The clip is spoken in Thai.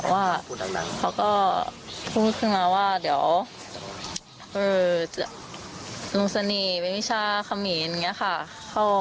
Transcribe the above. ว่าเขาก็พูดขึ้นมาว่าเดี๋ยวลุงเสน่ห์เป็นวิชาเขมรอย่างนี้ค่ะ